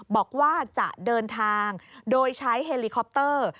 บอกว่าจะเดินทางโดยใช้เฮลิคอปเตอร์